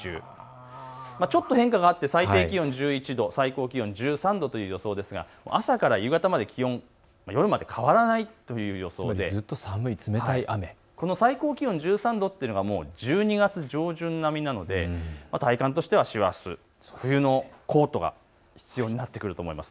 ちょっと変化があって最低気温１１度、最高気温１３度という予想ですが朝から夕方まで気温、夜まで変わらないという予想でこの最高気温１３度というのは１２月上旬並みなので体感としては冬のコートが必要になってくると思います。